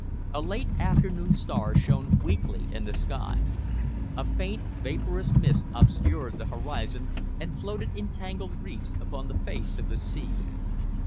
A late afternoon star shone weakly in the sky. A faint, vaporous mist obscured the horizon and floated in tangled wreaths upon the face of the sea.